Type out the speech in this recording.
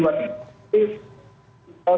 walaupun dua puluh dua hari